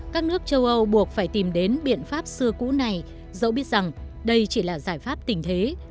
các nước châu âu buộc phải tìm đến biện pháp xưa cũ này dẫu biết rằng đây chỉ là giải pháp tình thế